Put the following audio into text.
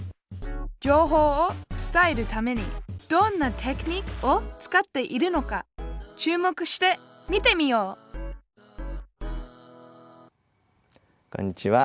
情報を伝えるためにどんなテクニックを使っているのか注目して見てみようこんにちは。